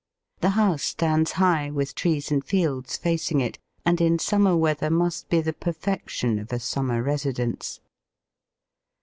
The house stands high, with trees and fields facing it, and in summer weather must be the perfection of a summer residence.